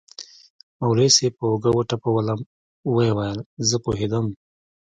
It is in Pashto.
مولوي صاحب پر اوږه وټپولوم ويې ويل زه پوهېدم.